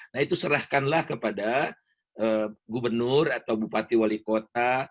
nah itu serahkanlah kepada gubernur atau bupati wali kota